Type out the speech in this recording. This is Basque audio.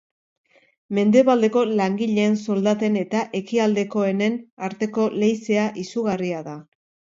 Mendebaldeko langileen soldaten eta ekialdekoenen arteko leizea izugarria da.